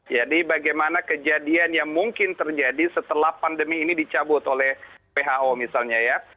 jadi bagaimana kejadian yang mungkin terjadi setelah pandemi ini dicabut oleh pho misalnya ya